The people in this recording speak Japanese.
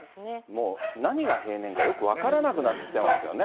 もう何が平年かよく分からなくなってきてますよね。